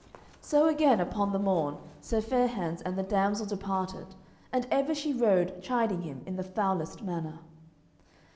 So again upon the morn Sir Fair hands and the damsel departed, and ever she rode chiding him in the foulest manner.